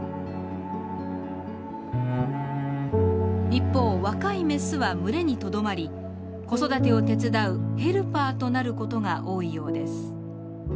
一方若いメスは群れにとどまり子育てを手伝う「ヘルパー」となる事が多いようです。